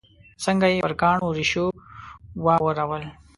څنګه یې پر کاڼو ریشو واورول.